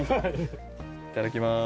いただきます。